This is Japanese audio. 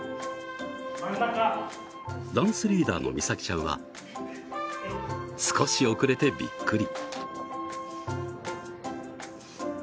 ダンスリーダーのみさきちゃんは少し遅れてビックリ。